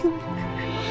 aku mau peluk dia